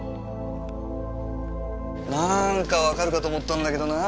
何かわかると思ったんだけどな